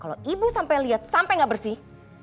kalau ibu sampai liat sampai gak bersih